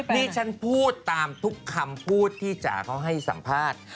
นี่ฉันพูดตามทุกคำพูดที่จ๋าเขาให้สัมภาษณ์